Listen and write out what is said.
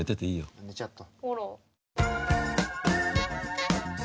あ寝ちゃった。